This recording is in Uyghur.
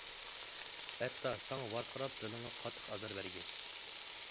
ھەتتا ساڭا ۋارقىراپ دىلىڭغا قاتتىق ئازار بەرگەن.